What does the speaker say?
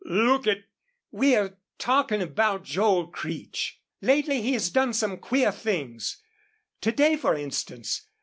Look at " "We're talking about Joel Creech. Lately he has done some queer things. To day, for instance.